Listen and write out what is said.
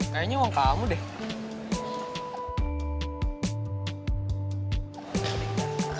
kayaknya uang kamu deh